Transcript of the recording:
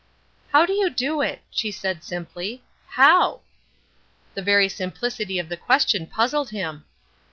"How did you do it?" she asked, simply. "How?" The very simplicity of the question puzzled him.